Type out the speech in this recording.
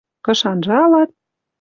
Кыш анжалат —